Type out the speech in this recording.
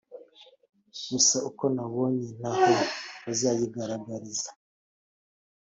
Gusa uko nabonye ntaho bazayigaragariza